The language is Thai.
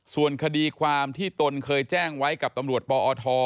ส่วนคดีความที่ตนเคยแจ้งไว้กับตำรวจปอท